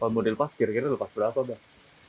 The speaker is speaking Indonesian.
kalau model pas kira kira lupas berapa bang